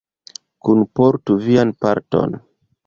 Kunportu vian parton!